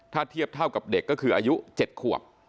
ถ้าเทียบเท่ากับเด็กก็คืออายุ๗ขวบ